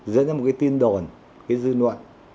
dẫn đến một cái tin đồn cái dư luận